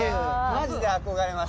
マジで憧れます。